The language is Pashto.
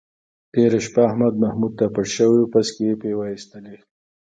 تېره شپه احمد محمود ته پټ شوی و، پسکې یې پې وایستلی.